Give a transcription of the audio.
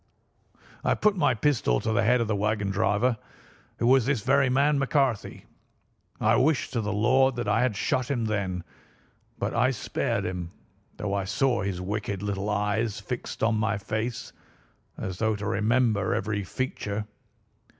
I put my pistol to the head of the wagon driver, who was this very man McCarthy. I wish to the Lord that I had shot him then, but I spared him, though I saw his wicked little eyes fixed on my face, as though to remember every feature.